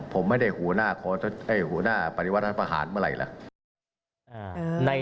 ผมไม่ได้หัวหน้าปฏิวัติรัฐประหารเมื่อไหร่ล่ะ